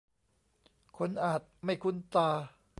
คนอาจไม่คุ้นตา